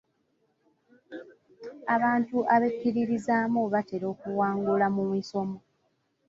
Abantu abekkiririzaamu batera okuwangula mu misomo.